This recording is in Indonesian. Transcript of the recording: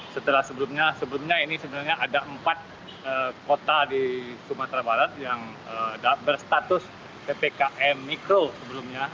setelah sebelumnya sebelumnya ini sebenarnya ada empat kota di sumatera barat yang berstatus ppkm mikro sebelumnya